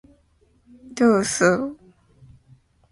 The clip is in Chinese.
十四、特定司法辖区的补充隐私声明